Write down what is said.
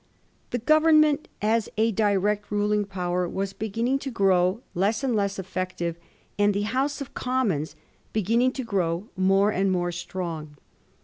The Government as a direct ruling power was beginning to grow less and less eflFective, and the House of Commons beginning to grow more and more strong.